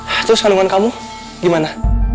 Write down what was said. terus kandungan kamu gimana